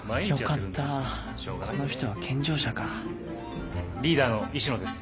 よかったこの人は健常者かリーダーの石野です。